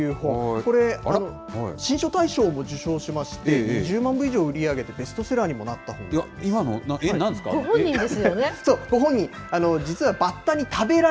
これ、新書大賞も受賞しまして、１０万部以上売り上げて、ベストセラーにもなった本なんです。